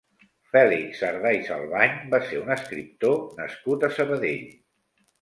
Fèlix Sardà i Salvany va ser un escriptor nascut a Sabadell.